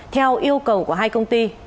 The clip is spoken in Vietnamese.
theo yêu cầu của hai công ty